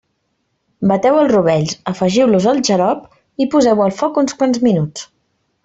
Bateu els rovells, afegiu-los al xarop i poseu-ho al foc uns quants minuts.